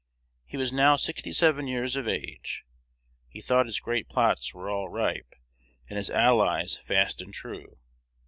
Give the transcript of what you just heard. He was now sixty seven years of age: he thought his great plots were all ripe, and his allies fast and true.